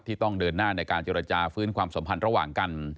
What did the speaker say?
ต้องเดินหน้าในการเจรจาฟื้นความสัมพันธ์ระหว่างกัน